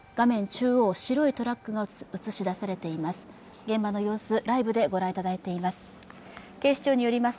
中央、白いトラックが映し出されています。